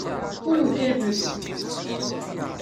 Ur ugadent.